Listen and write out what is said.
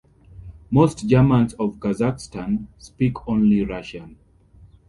Most Germans of Kazakhstan speak only Russian.